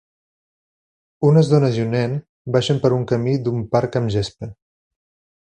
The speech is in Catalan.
Unes dones i un nen baixen per un camí d'un parc amb gespa.